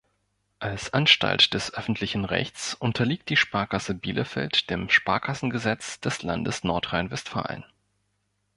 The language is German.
Als Anstalt des öffentlichen Rechts unterliegt die Sparkasse Bielefeld dem Sparkassengesetz des Landes Nordrhein-Westfalen.